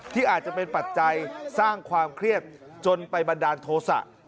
ที่อาจจะเป็นปัจจัยสร้างความเครียดจนไปบันดาลโทษะ